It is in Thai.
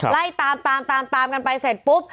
ไล่ตามตามกันไปเสร็จปุ๊บ